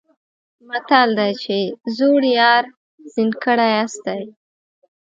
متل دی چې زوړ یار زین کړی آس دی.